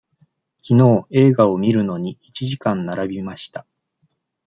きのう映画を見るのに、一時間並びました。